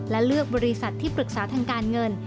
และเลือกบริษัทที่ปรึกษาทางการเงิน